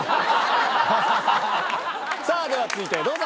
では続いてどうぞ。